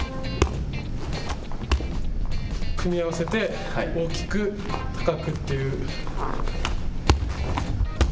組み合わせて大きく、高くっていう。